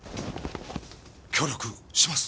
⁉協力します。